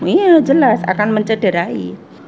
iya jelas akan mencederai